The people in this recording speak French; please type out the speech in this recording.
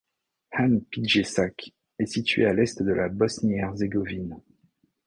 Han Pijesak est située à l'est de la Bosnie-Herzégovine.